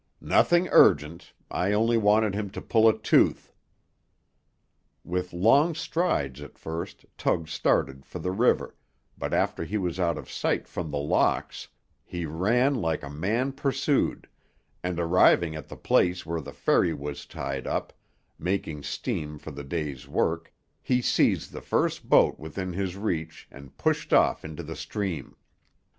"Nothing urgent; I only wanted him to pull a tooth." With long strides at first, Tug started for the river, but after he was out of sight from The Locks, he ran like a man pursued, and arriving at the place where the ferry was tied up, making steam for the day's work, he seized the first boat within his reach, and pushed off into the stream.